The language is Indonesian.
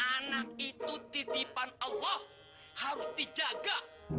anak itu titipan allah harus dijaga